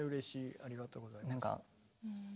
ありがとうございます。